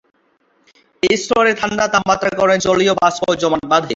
এই স্তরের ঠান্ডা তাপমাত্রার কারণে জলীয় বাষ্প জমাট বাঁধে।